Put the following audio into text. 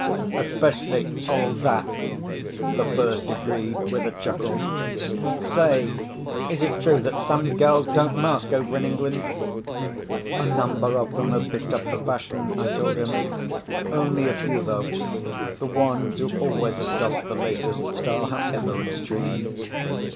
"Especially all that," the first agreed with a chuckle. "Say, is it true that some girls don't mask over in England?" "A number of them have picked up the fashion," I told him. "Only a few, though the ones who always adopt the latest style, however extreme."